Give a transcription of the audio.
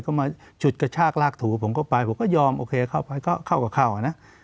เข้ามาฉุดกระชากลากถูกผมเข้าไปผมก็ยอมโอเคเข้ากับเข้ากัน